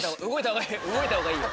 動いた方がいいよ。